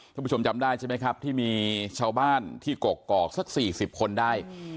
ท่านผู้ชมจำได้ใช่ไหมครับที่มีชาวบ้านที่กรกกรอกสักสี่สิบคนได้